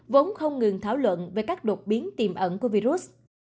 vốn không ngừng thảo luận về các đột biến tiềm ẩn của virus